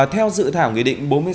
theo dự thảo nghị định bốn mươi sáu